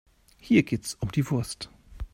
Hier geht es um die Wurst.